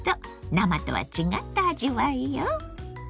生とは違った味わいよ。